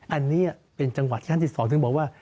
อันนี้เป็นจังหวะที่ท่านที่สองถึงบอกว่า